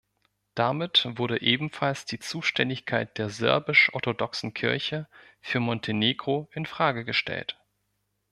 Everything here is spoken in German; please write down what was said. Damit wurde ebenfalls die Zuständigkeit der serbisch-orthodoxen Kirche für Montenegro in Frage gestellt.